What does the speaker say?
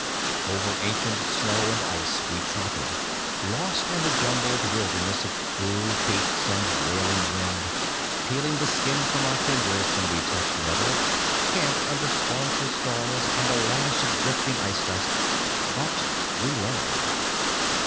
Over ancient snow and ice we trotted, lost in the jumbled wilderness of cruel peaks and railing wind, peeling the skin from our fingers when we touched metal, camped under scornful stars and a lash of drifting ice dust but we learned!